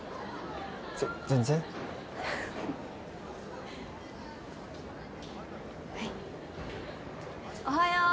ぜ全然はいおはよう！